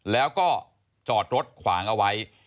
แล้วก็จอดรถขวางเอาไว้